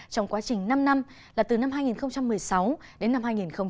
trong quá trình năm năm là từ năm hai nghìn một mươi sáu đến năm hai nghìn hai mươi